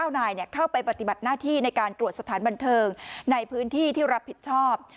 ๙นายเข้าไปปฏิบัติหน้าที่ในการตรวจสถานบันเทิงในพื้นที่ที่รับผิดชอบ